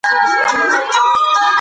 د کور دننه يخ باد مخه ونيسئ.